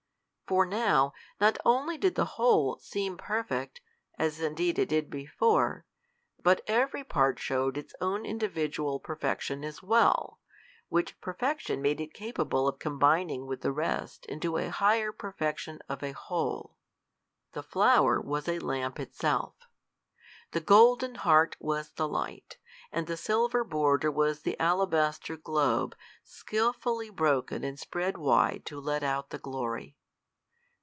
For now not only did the whole seem perfect, as indeed it did before, but every part showed its own individual perfection as well, which perfection made it capable of combining with the rest into the higher perfection of a whole. The flower was a lamp itself! The golden heart was the light, and the silver border was the alabaster globe skillfully broken and spread wide to let out the glory.